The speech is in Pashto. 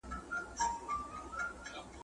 تدبیر تر تباهۍ مخکي `